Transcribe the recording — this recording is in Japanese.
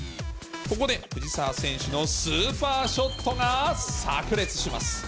ここで藤澤選手のスーパーショットがさく裂します。